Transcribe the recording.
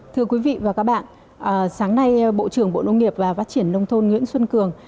thưa quý vị và các bạn sáng nay bộ trưởng bộ nông nghiệp và phát triển nông thôn nguyễn xuân cường